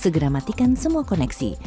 segera matikan semua koneksi